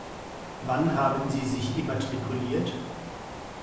Wann haben Sie sich immatrikuliert?